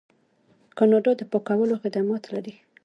کاناډا د پاکولو خدمات لري.